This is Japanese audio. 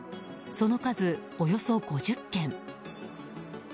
その数およそ５０件。